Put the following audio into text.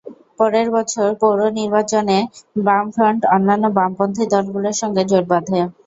পরের বছর পৌর নির্বাচনে বামফ্রন্ট অন্যান্য বামপন্থী দলগুলির সঙ্গে জোট বাঁধে।